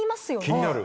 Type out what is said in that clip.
気になる。